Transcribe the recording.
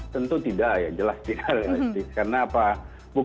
tentu tidak ya jelas tidak realistis